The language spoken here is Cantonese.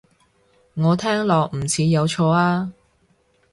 我聽落唔似有錯啊